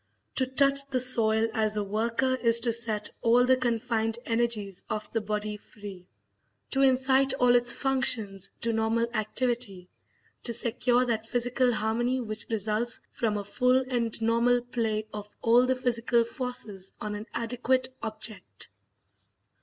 To touch the soil as a worker is to set all the confined energies of the body free, to incite all its functions to normal activity, to secure that physical harmony which results from a full and normal play of all the physical forces on an adequate object.